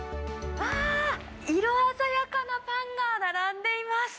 わー、色鮮やかなパンが並んでいます。